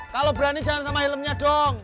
kalau berani jalan sama helmnya dong